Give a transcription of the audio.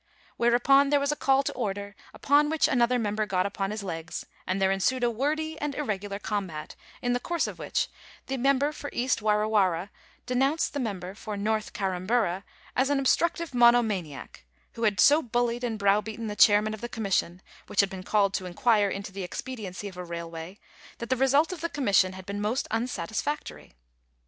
Whereupon there was a call to order, upon which another member got upon his legs, and there ensued a wordy and irregular combat, in the course of which the member for East Warra Warra denounced the member for North Carramburra as an obstructive mono maniac, who had so bullied and browbeaten the Chairman of the Commission which had been called to inquire into the expediency of a railway, that the result of the Commission had been most unsatisfactory.